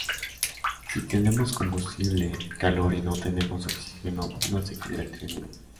Si tenemos combustible, calor y no tenemos oxígeno, no se completa el triángulo